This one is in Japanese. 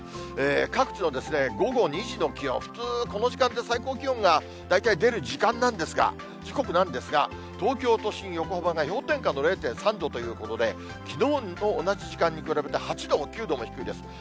各地の午後２時の気温、普通この時間で、最高気温が大体出る時間なんですが、時刻なんですが、東京都心、横浜が氷点下の０．３度ということで、きのうの同じ時間に比べて、８度も９度も低いです。